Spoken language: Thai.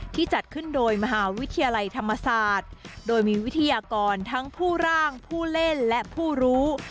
จัดขึ้นโดยมหาวิทยาลัยธรรมศาสตร์โดยมีวิทยากรทั้งผู้ร่างผู้เล่นและผู้รู้